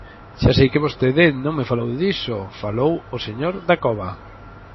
Xa sei que vostede non me falou diso, falou o señor Dacova.